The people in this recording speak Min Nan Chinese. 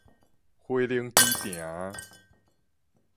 飛行機埕